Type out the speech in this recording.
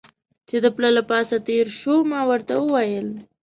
چې د پله له پاسه تېر شو، ما ورته وویل.